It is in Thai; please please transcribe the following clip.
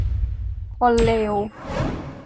คนเลว